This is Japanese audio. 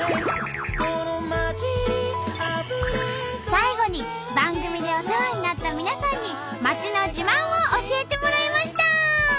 最後に番組でお世話になった皆さんに町の自慢を教えてもらいました！